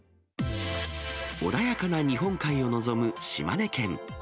穏やかな日本海を望む島根県。